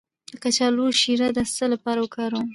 د کچالو شیره د څه لپاره وکاروم؟